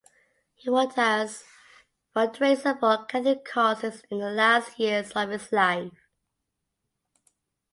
He worked as fundraiser for Catholic causes in the last years of his life.